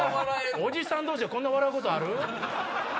おじさん同士でこんな笑うことある？